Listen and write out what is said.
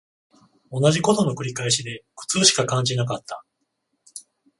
同じ事の繰り返しで苦痛しか感じなかった